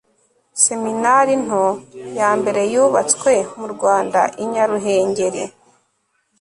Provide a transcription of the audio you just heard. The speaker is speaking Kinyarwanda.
seminari nto yambere yubatswe mu rwanda, i nyaruhengeri